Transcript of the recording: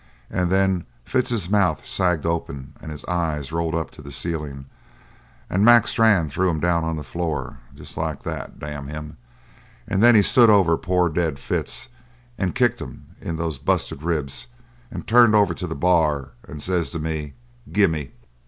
And then Fitz's mouth sagged open and his eyes rolled up to the ceiling, and Mac Strann threw him down on the floor. Just like that! Damn him! And then he stood over poor dead Fitz and kicked him in those busted ribs and turned over to the bar and says to me: 'Gimme!'